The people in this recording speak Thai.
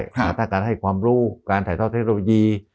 แต่ถ้าการให้ความรู้การถ่ายทอดเทคโนโลยี